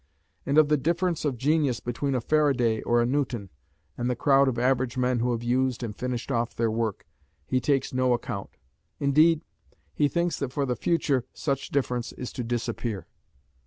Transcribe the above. And of the difference of genius between a Faraday or a Newton, and the crowd of average men who have used and finished off their work, he takes no account. Indeed, he thinks that for the future such difference is to disappear.